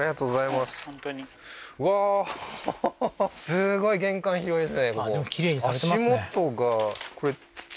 すごい玄関広いですね